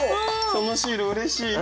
そのシールうれしい！